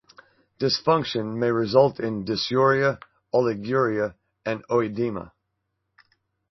Dysfunction may result in dysuria, oliguria, and oedema.